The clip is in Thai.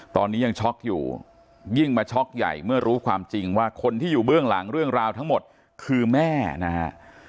ตอนนี้ยังช็อกอยู่ยิ่งมาช็อกใหญ่เมื่อรู้ความจริงว่าคนที่อยู่เบื้องหลังเรื่องราวทั้งหมดคือแม่นะฮะ